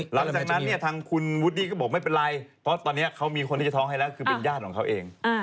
หลังจากนั้นเนี่ยทางคุณวูดดี้ก็บอกไม่เป็นไรเพราะตอนนี้เขามีคนที่จะท้องให้แล้วคือเป็นญาติของเขาเอง